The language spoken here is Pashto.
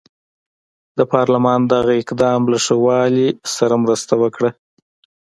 د پارلمان دغه اقدام له ښه والي سره مرسته وکړه.